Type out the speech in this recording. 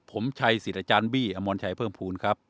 ผมชัยสิรจารบี้อมวลชัยเพิ่มพูลครับ